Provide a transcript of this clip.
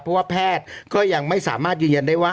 เพราะว่าแพทย์ก็ยังไม่สามารถยืนยันได้ว่า